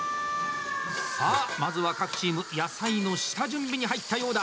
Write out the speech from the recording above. さあ、まずは各チーム野菜の下準備に入ったようだ。